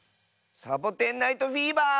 「サボテン・ナイト・フィーバー」！